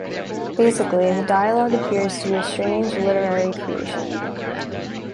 Basically, the dialogue appears to be a strange literary creation